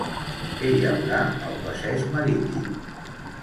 Què hi haurà al passeig marítim?